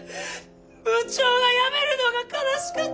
部長が辞めるのが悲しくて。